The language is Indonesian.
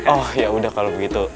oh ya udah kalau begitu